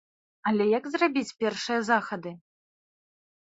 Але як зрабіць першыя захады?